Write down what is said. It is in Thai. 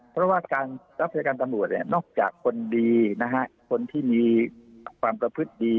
เพราะว่าการรับราชการตำรวจเนี่ยนอกจากคนดีนะฮะคนที่มีความประพฤติดี